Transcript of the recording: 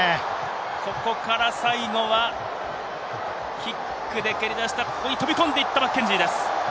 ここから最後はキックで蹴り出して、飛び込んでいったマッケンジーです。